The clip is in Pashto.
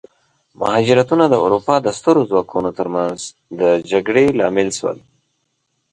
مهاجرتونه د اروپا د سترو ځواکونو ترمنځ جګړې لامل شول.